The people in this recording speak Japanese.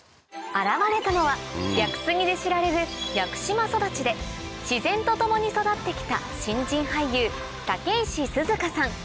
現れたのは屋久杉で知られる屋久島育ちで自然と共に育ってきた新人俳優武石鈴香さん